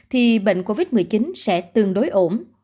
thì bệnh covid một mươi chín sẽ tương đối ổn